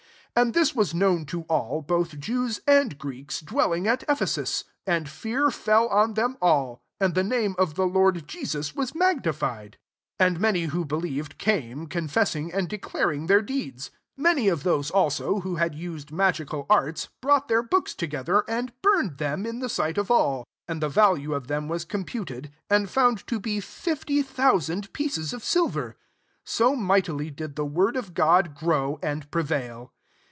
17 And this was known to all, both Jews and Greeks, dwelling at Ephesus : and fear fell on them all, and the name of the Lord Jesus was magnified. 18 And many who believed came, con fessing and declaring their deeds. 19 Many of those also who had used magical arts, brought their books together, and burned them in the sight of all ; and the value of their was computed, and found to be fifty thousand;^tVce« of silver. 20 So mightily did the word of God grow and prevail.